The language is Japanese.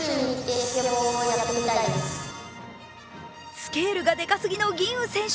スケールがでかすぎの吟雲選手